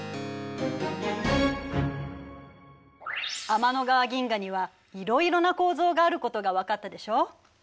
天の川銀河にはいろいろな構造があることがわかったでしょう？